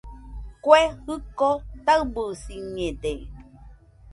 Kue jɨko taɨbɨsiñede